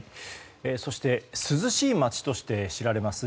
そして涼しい街として知られます